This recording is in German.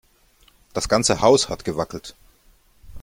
Das ganze Haus hat gewackelt.